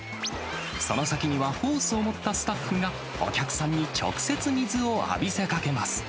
その先にはホースを持ったスタッフが、お客さんに直接水を浴びせかけます。